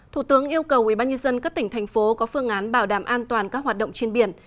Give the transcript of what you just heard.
thủ tướng yêu cầu ubnd các tỉnh thành phố có phương án bảo đảm an toàn các hoạt động trên biển